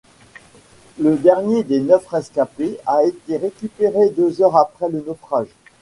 Le dernier des neuf rescapés a été récupéré deux heures après le naufrage.